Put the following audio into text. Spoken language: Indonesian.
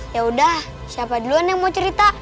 yaudah siapa duluan yang mau cerita